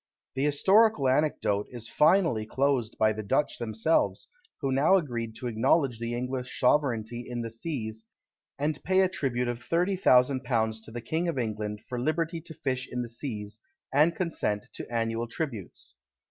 The historical anecdote is finally closed by the Dutch themselves, who now agreed to acknowledge the English sovereignty in the seas, and pay a tribute of thirty thousand pounds to the King of England, for liberty to fish in the seas, and consented to annual tributes.